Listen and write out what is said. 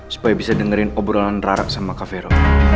supaya bisa dengerin obrolan rara sama kak vero